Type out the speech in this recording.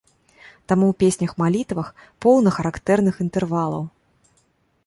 Таму ў песнях-малітвах поўна характэрных інтэрвалаў.